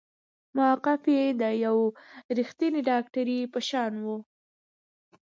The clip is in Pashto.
موقف يې د يوې رښتينې ډاکټرې په شان وه.